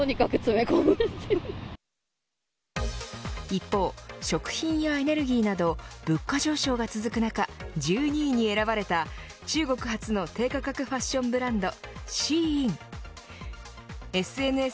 一方、食品やエネルギーなど物価上昇が続く中１２位に選ばれた中国初の低価格ファッションブランド、ＳＨＥＩＮ。